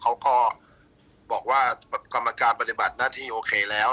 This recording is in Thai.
เขาก็บอกว่ากรรมการปฏิบัติหน้าที่โอเคแล้ว